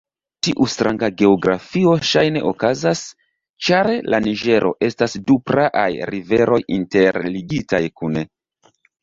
Tiu stranga geografio ŝajne okazas ĉar la Niĝero estas du praaj riveroj interligitaj kune.